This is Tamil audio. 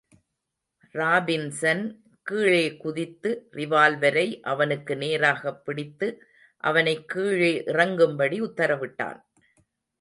ராபின்ஸன் கீழே குதித்து, ரிவால்வரை அவனுக்கு நேராகப் பிடித்து, அவனைக் கீழே இறங்கும்படி உத்தரவிட்டான்.